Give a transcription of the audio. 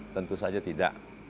tentu saja tidak